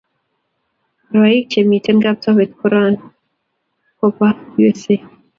Rwaik che miten Kapsabet karun ko ba usa